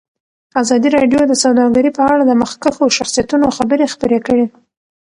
ازادي راډیو د سوداګري په اړه د مخکښو شخصیتونو خبرې خپرې کړي.